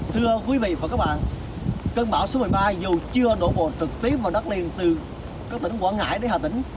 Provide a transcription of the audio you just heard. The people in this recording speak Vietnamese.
thưa quý vị và các bạn cơn bão số một mươi ba dù chưa đổ bộ trực tiếp vào đất liền từ các tỉnh quảng ngãi đến hà tĩnh